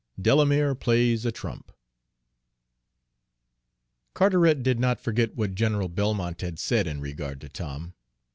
X DELAMERE PLAYS A TRUMP Carteret did not forget what General Belmont had said in regard to Tom.